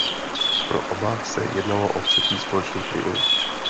Pro oba se jednalo o třetí společný triumf.